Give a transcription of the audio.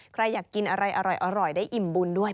ใครอยากกินอะไรอร่อยได้อิ่มบุญด้วย